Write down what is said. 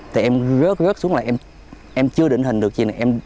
thì em rớt rớt xuống là em chưa định hình được gì